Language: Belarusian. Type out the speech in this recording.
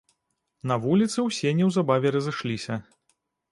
На вуліцы ўсе неўзабаве разышліся.